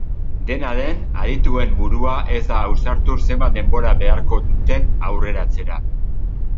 Dena den, adituen burua ez da ausartu zenbat denbora beharko duten aurreratzera.